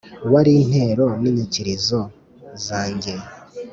Wari intero ninyikirizo zanjye